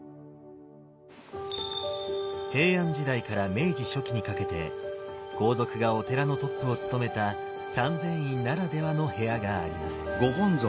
平安時代から明治初期にかけて皇族がお寺のトップをつとめた三千院ならではの部屋があります。